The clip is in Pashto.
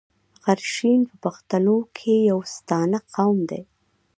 غرشین په پښتنو کښي يو ستانه قوم دﺉ.